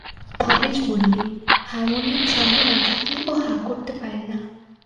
ভবেশ বললে, হার্মোনিয়ম সঙ্গে না থাকলে ও হাঁ করতে পারে না।